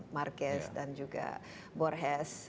karya karya seperti marquez dan juga borges